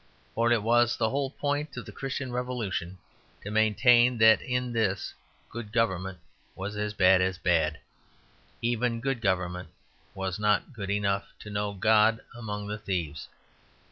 For it was the whole point of the Christian revolution to maintain that in this, good government was as bad as bad. Even good government was not good enough to know God among the thieves.